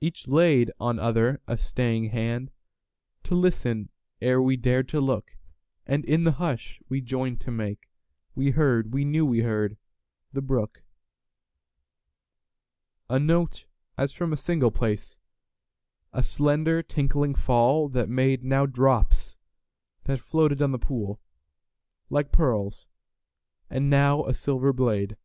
Each laid on other a staying handTo listen ere we dared to look, And in the hush we joined to makeWe heard—we knew we heard—the brook.A note as from a single place,A slender tinkling fall that madeNow drops that floated on the poolLike pearls, and now a silver blade.